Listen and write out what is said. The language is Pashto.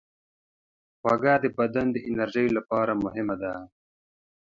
خوږه د بدن د انرژۍ لپاره مهمه ده.